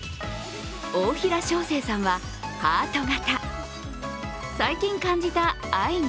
大平祥生さんはハート型。